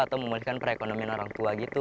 atau memulihkan perekonomian orang tua gitu